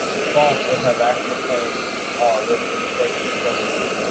False anti-vax campaigns are risking the safety of children.